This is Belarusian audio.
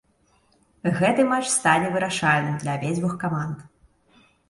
Гэты матч стане вырашальным для абедзвюх каманд.